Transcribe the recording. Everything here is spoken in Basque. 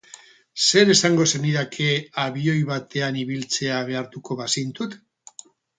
Zer esango zenidake, abioi batean ibiltzera behartuko bazintut?